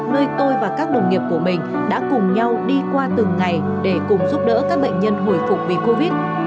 nơi tôi và các đồng nghiệp của mình đã cùng nhau đi qua từng ngày để cùng giúp đỡ các bệnh nhân hồi phục vì covid